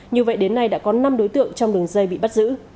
như vậy đến nay đã có năm đối tượng trong đường dây bị bắt giữ